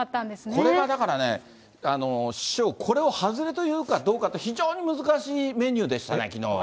これはだからね、師匠、これを外れというかどうかって、非常に難しいメニューでしたね、きのうは。